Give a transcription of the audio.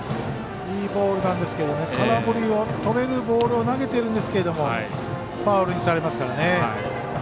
いいボールなんですけど空振りをとれるボールを投げてるんですけどファウルにされますからね。